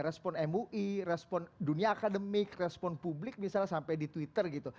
respon mui respon dunia akademik respon publik misalnya sampai di twitter gitu